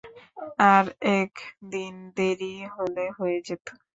আর এক দিন দেরি হলে হয়ে যেত।